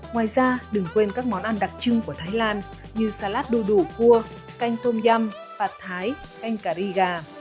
ngoài ra đừng quên các món ăn đặc trưng của thái lan như salad đu đủ cua canh tôm dăm phạt thái canh cà ri gà